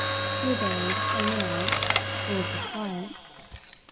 He obeyed, and went out, full of disquiet.